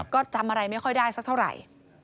ก็จำอะไรไม่ค่อยได้สักเท่าไหร่